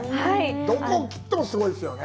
どこを切ってもすごいですよね。